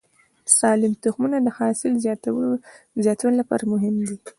سالم تخمونه د حاصل زیاتوالي لپاره مهم دي.